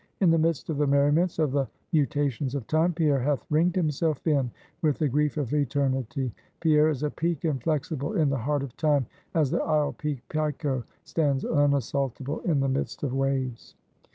In the midst of the merriments of the mutations of Time, Pierre hath ringed himself in with the grief of Eternity. Pierre is a peak inflexible in the heart of Time, as the isle peak, Piko, stands unassaultable in the midst of waves.